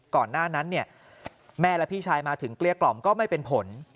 ก่อนหน้านั้นเนี่ยแม่และพี่ชายมาถึงเกลี้ยกล่อมก็ไม่เป็นผล